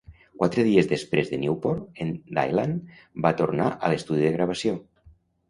Quatre dies després de Newport, en Dylan va tornar a l'estudi de gravació.